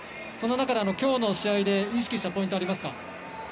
その中で今日の試合で意識したポイントはありますか。